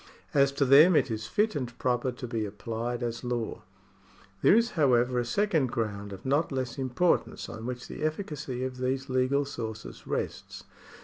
As to them, it is fit and proper to be applied as law. There is, however, a second ground of not less importance on which the efficacy of these legal sources rests.